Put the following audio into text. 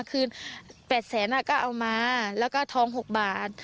คือ๘แสนก็เอามาแล้วก็ทอง๖บาท